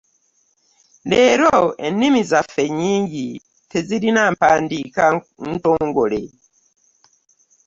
Leero ennimi zaffe nnyingi tezirina mpandiika ntongole.